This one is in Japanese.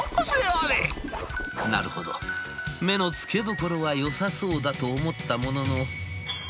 なるほど目のつけどころはよさそうだと思ったものの。